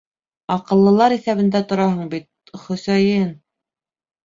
— Аҡыллылар иҫәбендә тораһың бит, Хө-Өсәйен!